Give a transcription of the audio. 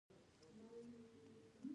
هغوی لرې واټن د سیمې د زبېښاک لپاره وهلی و.